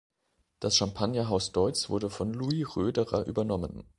Das Champagnerhaus Deutz wurde von Louis Roederer übernommen.